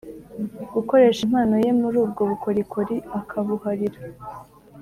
gukoresha impano ye muri ubwo bukorikori akabuharira